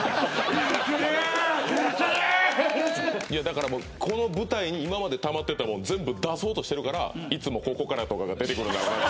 だからこの舞台に今までたまってたもん全部出そうとしてるからいつもここからとかが出てくる。